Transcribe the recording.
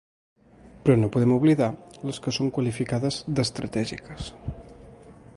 Però no podem oblidar les que són qualificades d’estratègiques.